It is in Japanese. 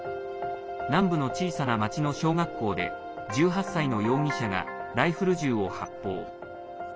南部の小さな町の小学校で１８歳の容疑者がライフル銃を発砲。